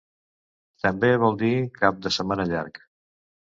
També vol dir cap de setmana llarg.